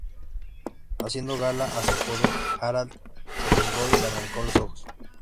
Haciendo gala a su apodo, Harald se vengó y le arrancó los ojos.